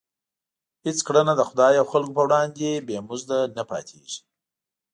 هېڅ کړنه د خدای او خلکو په وړاندې بې مزده نه پاتېږي.